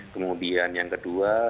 kemudian yang kedua